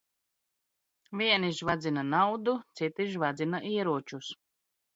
Vieni žvadzina naudu, citi žvadzina ieročus.